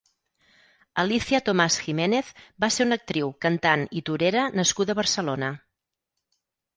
Alicia Tomás Jiménez va ser una actriu, cantant i torera nascuda a Barcelona.